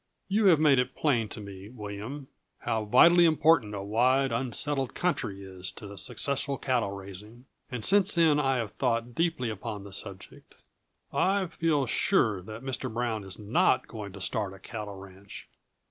You have made it plain to me, William, how vitally important a wide, unsettled country is to successful cattle raising; and since then I have thought deeply upon the subject. I feel sure that Mr. Brown is not going to start a cattle ranch."